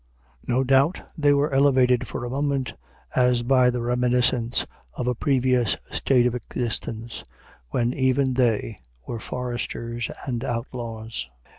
No doubt they were elevated for a moment as by the reminiscence of a previous state of existence, when even they were foresters and outlaws.